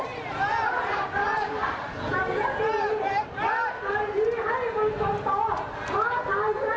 วิทยาลัยเมริกาวิทยาลัยเมริกา